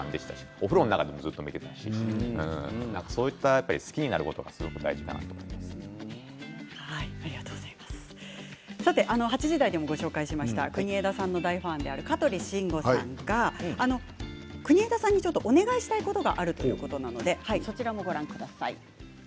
お風呂の中でもずっと見ていましたし好きになることが８時台でご紹介しました国枝さんの大ファンである香取慎吾さんが国枝さんにちょっとお願いしたいことがあるということなのでそちらもご覧ください。